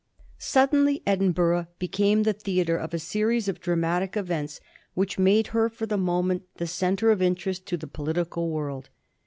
Suddenly Edinburgh became the theatre of a series of dramatic events which made her, for the moment, the centre of interest to the political world.